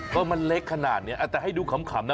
ก็มันเล็กขนาดนี้แต่ให้ดูขำนะ